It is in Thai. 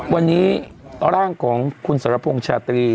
วันนี้ร่างของคุณสรพงษ์ชาตรี